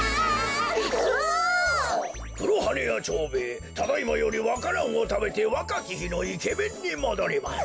黒羽屋蝶兵衛ただいまよりわか蘭をたべてわかきひのイケメンにもどります。